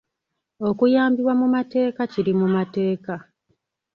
Okuyambibwa mu mateeka kiri mu mateeka.